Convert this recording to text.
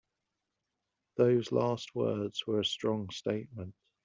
Those last words were a strong statement.